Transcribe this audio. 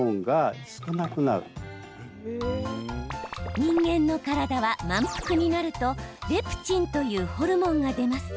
人間の体は満腹になるとレプチンというホルモンが出ます。